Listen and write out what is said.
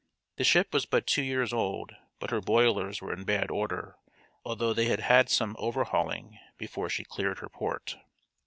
The ship was but two years old, but her boilers were in bad order, although they had had some overhauling before she cleared her port.